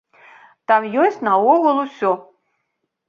Там ёсць наогул усё.